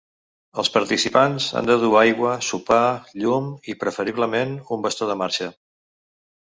Els participants han de dur aigua, sopar, llum, i preferiblement un bastó de marxa.